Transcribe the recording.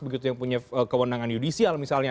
begitu yang punya kewenangan yudisial misalnya